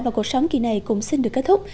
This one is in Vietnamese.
và cuộc sống kỳ này cũng xin được kết thúc